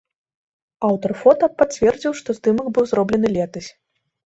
Аўтар фота пацвердзіў, што здымак быў зроблены летась.